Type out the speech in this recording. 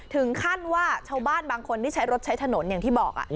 ถึงขั้นว่าชาวบ้านบางคนที่ใช้รถใช้ถนนอย่างที่บอก